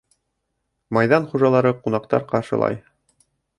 Майҙан хужалары ҡунаҡтар ҡаршылай